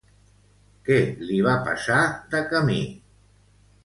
Què li va passar de camí?